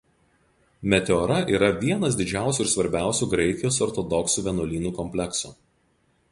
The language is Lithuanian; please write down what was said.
Meteora yra vienas didžiausių ir svarbiausių Graikijos ortodoksų vienuolynų kompleksų.